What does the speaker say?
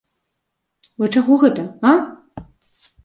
Вы чаго гэта, а?